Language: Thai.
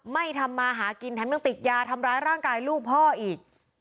ไม่ทำมาหากินแถมยังติดยาทำร้ายร่างกายลูกพ่ออีก